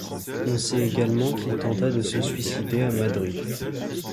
On sait également qu'il tenta de se suicider à Madrid.